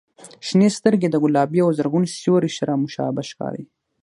• شنې سترګې د ګلابي او زرغون سیوري سره مشابه ښکاري.